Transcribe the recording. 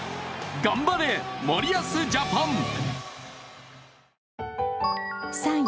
頑張れ森保ジャパン！